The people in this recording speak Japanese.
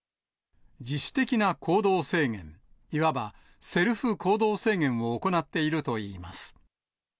自主的な行動制限、いわばセルフ行動制限を行っているといいます。